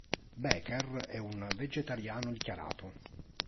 Becker è un vegetariano dichiarato.